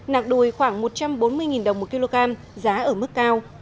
nạc đùi khoảng một trăm bốn mươi đồng một kg giá ở mức cao